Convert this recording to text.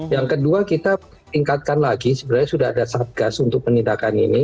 yang kedua kita tingkatkan lagi sebenarnya sudah ada satgas untuk penindakan ini